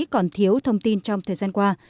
còn thiếu thông tin trong thời gian qua